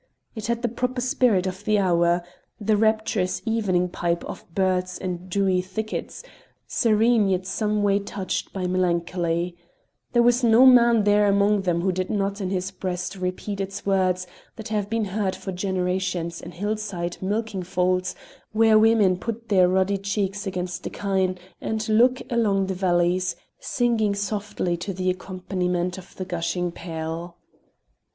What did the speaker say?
It had the proper spirit of the hour the rapturous evening pipe of birds in dewy thickets, serene yet someway touched by melancholy; there was no man there among them who did not in his breast repeat its words that have been heard for generations in hillside milking folds where women put their ruddy cheeks against the kine and look along the valleys, singing softly to the accompaniment of the gushing pail.